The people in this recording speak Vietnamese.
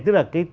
tức là cái